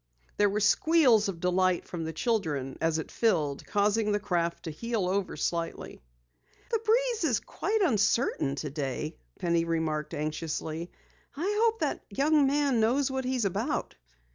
There were squeals of delight from the children as it filled, causing the craft to heel over slightly. "The breeze is quite uncertain today," Penny remarked anxiously. "I hope that young man knows what he is about."